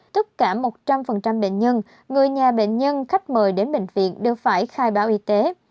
tất cả một trăm linh bệnh nhân người nhà bệnh nhân khách mời đến bệnh viện đều phải khai báo y tế